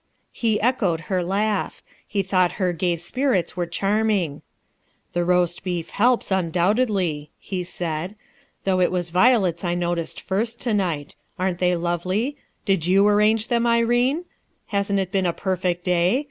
He echoed her laugh. He thought her gay spirits were charming. "The roast beef help3, "PLANS FOR A PURPOSE" 130 undoubtedly," be said. "Though it was violets I noticed first, to night. Aren't they lovely? Did you arrange them, Irene? Hasn't it been a perfect day?